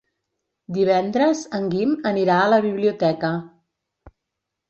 Divendres en Guim anirà a la biblioteca.